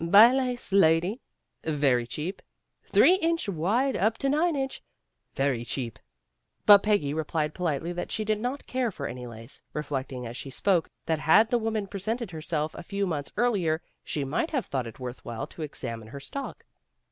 "Buy lace, lady? Very cheap: three inch wide up to nine inch. Very cheap !'' Peggy replied politely that she did not care for any lace, reflecting as she spoke that had the A MISSING BRIDE 299 woman presented herself a few months earlier, she might have thought it worth while to ex amine her stock.